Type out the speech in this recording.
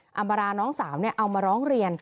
อำาราน้องสาวเนี่ยเอามาร้องเรียน